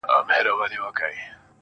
• د پلټني سندرماره شـاپـيـرۍ يــارانــو.